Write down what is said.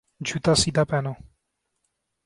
جوتا سیدھا پہنو